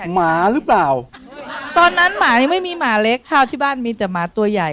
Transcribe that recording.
หมาหรือเปล่าตอนนั้นหมายังไม่มีหมาเล็กข้าวที่บ้านมีแต่หมาตัวใหญ่